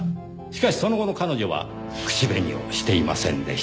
しかしその後の彼女は口紅をしていませんでした。